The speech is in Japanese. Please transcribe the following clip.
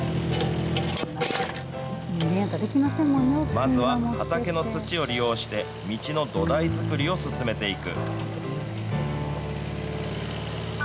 まずは、畑の土を利用して、道の土台作りを進めていく。